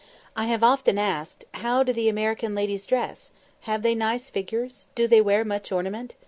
I have often been asked, "How do the American ladies dress? Have they nice figures? Do they wear much ornament?